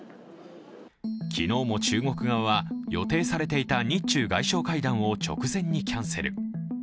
昨日も中国側は予定されていた日中外相会談を直前にキャンセル。